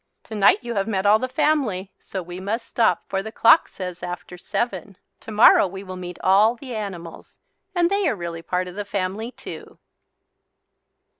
Tonight you have met all the family so we must stop for the clock says "after seven." Tomorrow we will meet all the animals and they are really part of the family too.